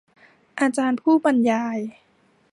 อาจารย์ผู้บรรยาย